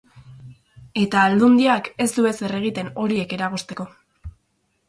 Eta Aldundiak ez du ezer egiten horiek eragozteko.